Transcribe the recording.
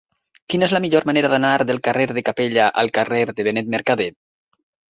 Quina és la millor manera d'anar del carrer de Capella al carrer de Benet Mercadé?